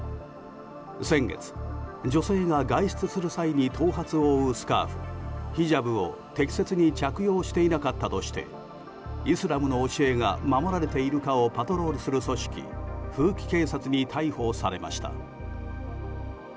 先月、女性が外出する際に頭髪を覆うスカーフヒジャブを適切に着用していなかったとしてイスラムの教えが守られているかをパトロールする組織風紀警察に逮捕されました。